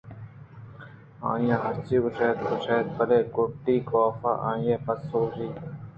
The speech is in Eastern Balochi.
آئیءَ ہرچی گوٛشت وَگوٛشت بلئے گُڈی ءَ کاف ءَآئی ءِ پسو ءَ گوٛشت